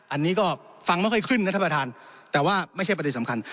อันนี้ก็ฟังไม่ค่อยขึ้นนะท่านประธานแต่ว่าไม่ใช่ประเด็นสำคัญ